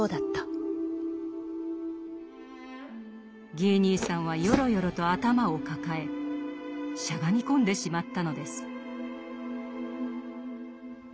ギー兄さんはよろよろと頭を抱えしゃがみ込んでしまったのです。